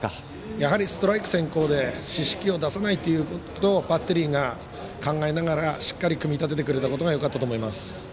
やはりストライク先行で四死球を出さないことをバッテリーが考えながらしっかり組み立ててくれたことがよかったと思います。